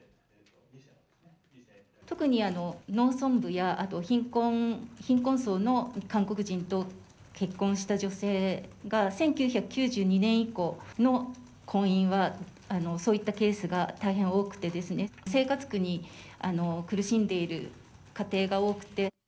特に農村部や、あと貧困層の韓国人と結婚した女性が、１９９２年以降の婚姻はそういったケースが大変多くて、生活苦に苦しんでいる家庭が多くて。